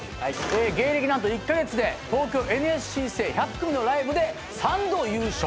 芸歴何と１カ月で東京ＮＳＣ生１００組のライブで三度優勝。